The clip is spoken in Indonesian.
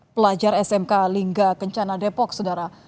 pelajar smk lingga kencana depok saudara